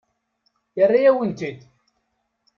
Yerra-yawen-t-id.